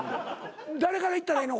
誰からいったらええの？